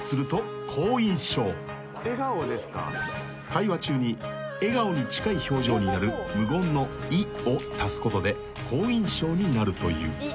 ［会話中に笑顔に近い表情になる無言の「い」を足すことで好印象になるという］